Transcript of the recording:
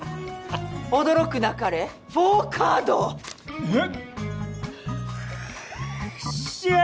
驚くなかれフォーカード！えっ？くっよっしゃ！